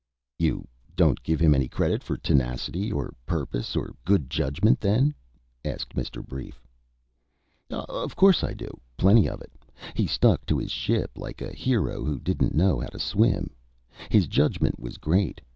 "You don't give him any credit for tenacity of purpose or good judgment, then?" asked Mr. Brief. "Of course I do. Plenty of it. He stuck to his ship like a hero who didn't know how to swim. His judgment was great.